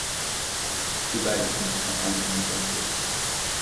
Too bad it seems confined to New Brunswick.